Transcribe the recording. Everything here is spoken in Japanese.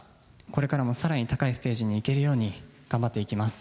これからもさらに高いステージにいけるように頑張っていきます。